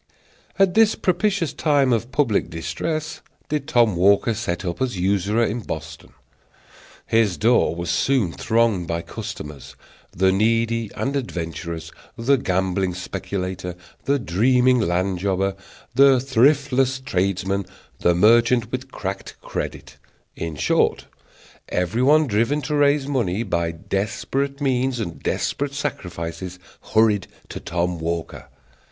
At this propitious time of public distress did Tom Walker set up as usurer in Boston. His door was soon thronged by customers. The needy and adventurous, the gambling speculator, the dreaming land jobber, the thriftless tradesman, the merchant with cracked credit in short, everyone driven to raise money by desperate means and desperate sacrifices hurried to Tom Walker.